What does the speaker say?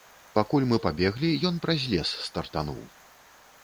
Пакуль мы пабеглі, ён праз лес стартануў.